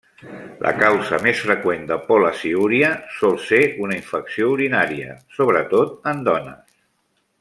La causa més freqüent de pol·laciúria sol ser una infecció urinària, sobretot en dones.